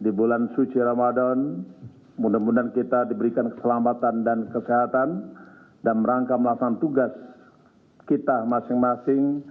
di bulan suci ramadan mudah mudahan kita diberikan keselamatan dan kesehatan dalam rangka melaksanakan tugas kita masing masing